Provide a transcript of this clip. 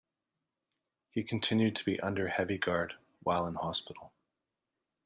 He continued to be under heavy guard while in hospital.